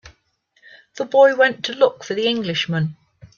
The boy went to look for the Englishman.